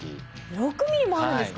６ｍｍもあるんですか？